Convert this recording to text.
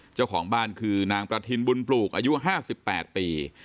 เจ้าของบ้านคือนางประทินบุญปลูกอายุ๕๘ปี